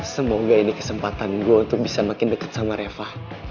semoga ini kesempatan gue untuk bisa makin dekat sama reva